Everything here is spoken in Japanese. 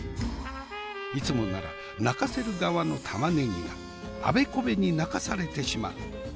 いつもなら泣かせる側の玉ねぎがあべこべに泣かされてしまう。